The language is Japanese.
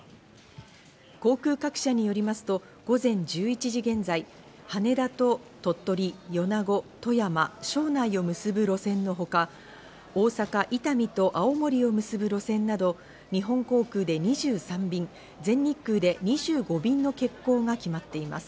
航空各社によりますと午前１１時現在、羽田と鳥取、米子、富山、庄内を結ぶ路線のほか、大阪・伊丹と青森を結ぶ路線など日本航空で２３便、全日空で２５便の欠航が決まっています。